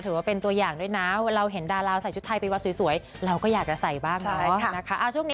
ถือว่าเป็นตัวอย่างด้วยนะเวลาเราเห็นดาราใส่ชุดไทยไปวัดสวยเราก็อยากจะใส่บ้างเนาะ